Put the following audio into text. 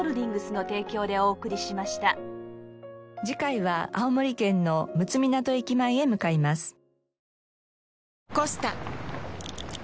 次回は青森県の陸奥湊駅前へ向かいます。